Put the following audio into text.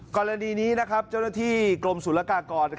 กรณีนี้นะครับเจ้าหน้าที่กรมศุลกากร